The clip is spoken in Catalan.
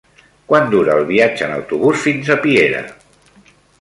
Quant dura el viatge en autobús fins a Piera?